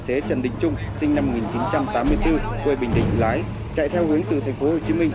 xế trần đình trung sinh năm một nghìn chín trăm tám mươi bốn quê bình định lái chạy theo hướng từ thành phố hồ chí minh